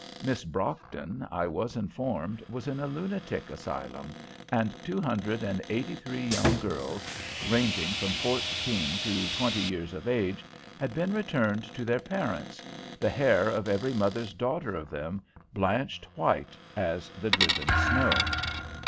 Miss Brockton, I was informed, was in a lunatic asylum, and two hundred and eighty three young girls, ranging from fourteen to twenty years of age, had been returned to their parents, the hair of every mother's daughter of them blanched white as the driven snow.